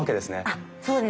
あっそうです。